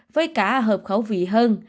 với cả hợp khẩu vị hơn